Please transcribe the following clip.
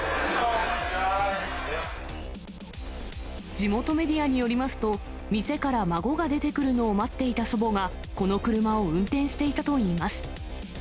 地元メディアによりますと、店から孫が出てくるのを待っていた祖母が、この車を運転していたといいます。